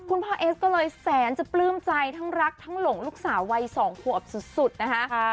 พ่อเอสก็เลยแสนจะปลื้มใจทั้งรักทั้งหลงลูกสาววัย๒ขวบสุดนะคะ